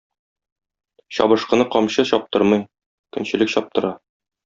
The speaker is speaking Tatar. Чабышкыны камчы чаптырмый, көнчелек чаптыра.